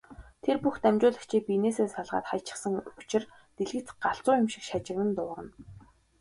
Тэр бүх дамжуулагчийг биенээсээ салгаад хаячихсан учир дэлгэц галзуу юм шиг шажигнан дуугарна.